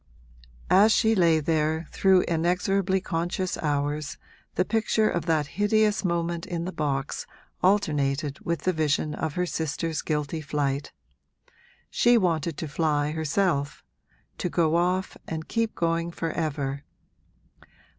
As she lay there through inexorably conscious hours the picture of that hideous moment in the box alternated with the vision of her sister's guilty flight. She wanted to fly, herself to go off and keep going for ever.